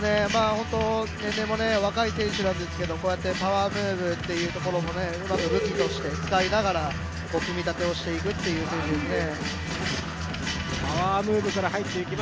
年齢も若い選手なんですけども、こうやってパワームーブっていうところもね、うまく武器として使いながら組み立てをしていくっていうところですね。